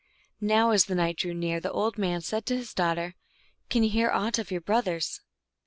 Now as the night drew near, the old man said to his daughter, " Can you hear aught of your brothers